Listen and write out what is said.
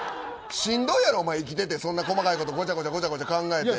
しんどいやろ、生きててそんな細かいことごちゃごちゃ考えて。